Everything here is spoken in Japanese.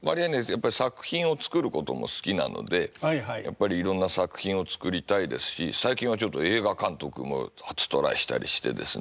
やっぱり作品を作ることも好きなのでやっぱりいろんな作品を作りたいですし最近はちょっと映画監督も初トライしたりしてですね